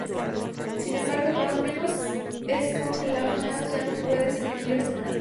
Sin embargo, cuando Menos es congela, Más ya no puede sentir a su hermano.